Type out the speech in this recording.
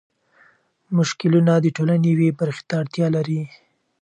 مشکلونه د ټولنې یوې برخې ته اړتيا لري.